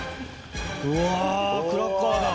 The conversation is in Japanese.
うわクラッカーだ。